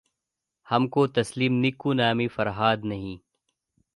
ہم کو تسلیم نکو نامیِ فرہاد نہیں